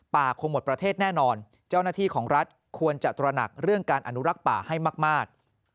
คงหมดประเทศแน่นอนเจ้าหน้าที่ของรัฐควรจะตระหนักเรื่องการอนุรักษ์ป่าให้มาก